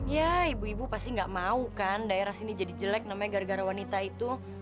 ya ibu ibu pasti gak mau kan daerah sini jadi jelek namanya gara gara wanita itu